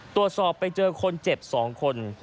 ตรวจสอบไปเจอคนเจ็บ๒คน